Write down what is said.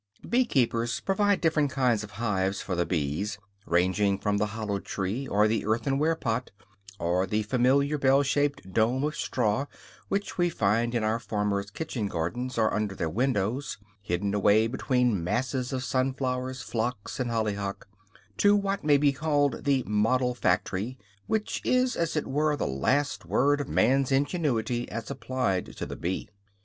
Bee keepers provide different kinds of hives for the bees, ranging from the hollow tree, or the earthenware pot, or the familiar bell shaped dome of straw which we find in our farmers' kitchen gardens or under their windows, hidden away between masses of sunflowers, phlox and hollyhock, to what may be called the model factory, which is, as it were, the last word of man's ingenuity as applied to the bee.